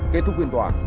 kết thúc huyền tòa